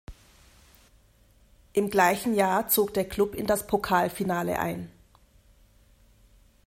Im gleichen Jahr zog der Klub in das Pokalfinale ein.